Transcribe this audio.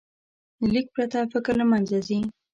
له لیک پرته، فکر له منځه ځي.